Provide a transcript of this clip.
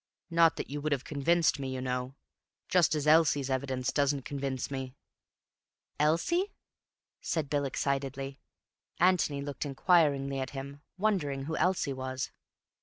Not that you would have convinced me, you know. Just as Elsie's evidence doesn't convince me." "Elsie?" said Bill excitedly. Antony looked inquiringly at him, wondering who Elsie was.